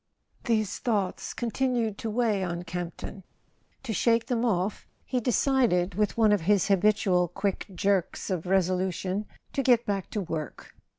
XXX HESE thoughts continued to weigh on Camp¬ le ton; to shake them off he decided, with one of his habitual quick jerks of resolution, to get back to work.